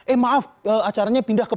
eh maaf acaranya pindah ke